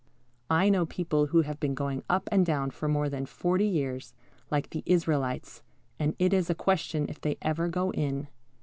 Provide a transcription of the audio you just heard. I know people who have been going up and down for more than forty years, like the Israelites, and it is a question if they ever go in.